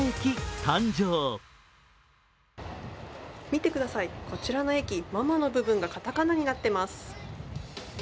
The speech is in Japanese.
見てください、こちらの駅、「真間」の部分がカタカナになっています。